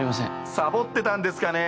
サボってたんですかねぇ？